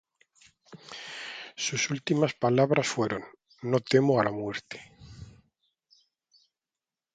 Sus últimas palabras fueron: "No temo a la muerte.